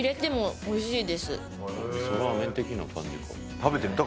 みそラーメン的な感じか。